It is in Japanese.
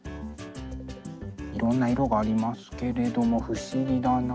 いろんな色がありますけれども不思議だな。